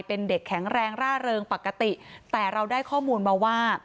เป็นเด็กแข็งแรงร่าเริงปกติแต่เราได้ข้อมูลมาว่า